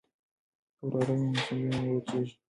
که واوره وي نو سیندونه نه وچیږي.